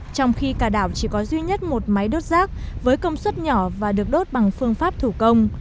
trong khi cả đảo chỉ có duy nhất một máy đốt rác với công suất nhỏ và được đốt bằng phương pháp thủ công